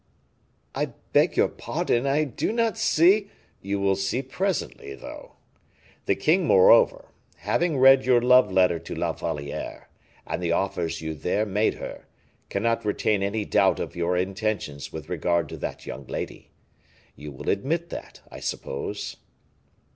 "I beg your pardon, I do not see " "You will see presently, though. The king, moreover, having read your love letter to La Valliere, and the offers you there made her, cannot retain any doubt of your intentions with regard to that young lady; you will admit that, I suppose?"